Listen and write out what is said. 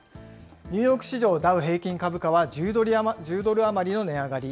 ニューヨーク市場ダウ平均株価は、１０ドル余りの値上がり。